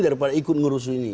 daripada ikut ngurus ini